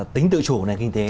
tính tự chủ này kinh tế